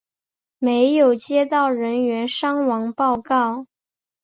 没有接到人员伤亡报告。